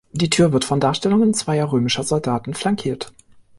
Die Tür wird von Darstellungen zweier römischer Soldaten flankiert.